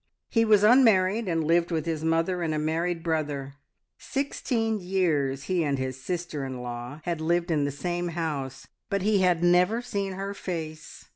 He was unmarried, and lived with his mother and a married brother. Sixteen years he and his sister in law had lived in the same house, but he had never seen her face.